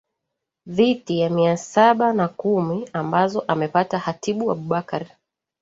dhiti ya mia saba na kumi ambazo amepata hatibu abubakar